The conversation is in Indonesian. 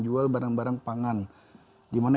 jual barang barang pangan dimana